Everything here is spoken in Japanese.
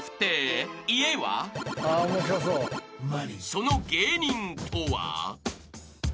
［その芸人とは］